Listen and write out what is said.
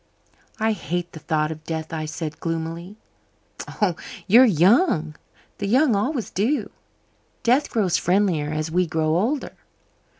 "I hate the thought of death," I said gloomily. "Oh, you're young. The young always do. Death grows friendlier as we grow older.